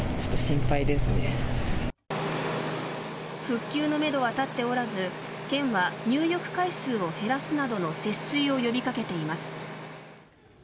復旧のめどは立っておらず県は入浴回数を減らすなどの節水を呼びかけています。